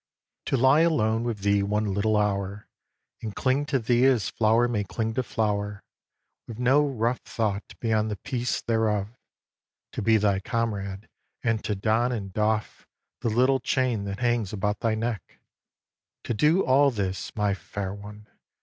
v. To lie alone with thee one little hour, And cling to thee as flower may cling to flower, With no rough thought beyond the peace thereof, To be thy comrade, and to don and doff The little chain that hangs about thy neck, To do all this, my Fair One!